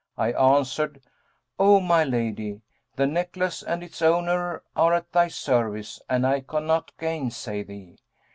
I answered, 'O my lady, the necklace and its owner are at thy service and I cannot gainsay thee.'